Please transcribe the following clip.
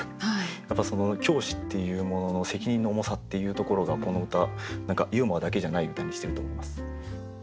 やっぱり教師っていうものの責任の重さっていうところがこの歌ユーモアだけじゃない歌にしてると思います。